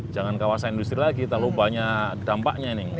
jangan kawasan industri lagi terlalu banyak dampaknya ini